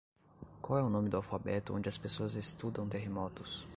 Qual é o nome do alfabeto onde as pessoas estudam terremotos?